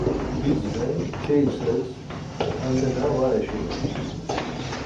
Didzğen, keysels, ar nena var eşimels